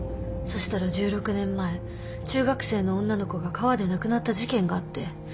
そしたら１６年前中学生の女の子が川で亡くなった事件があって。